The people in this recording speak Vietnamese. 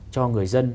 cho người dân